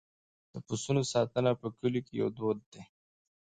د پسونو ساتنه په کلیو کې یو دود دی.